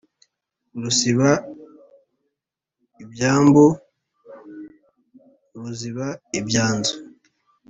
Rusiba ibymbu ruziba ibyanzu.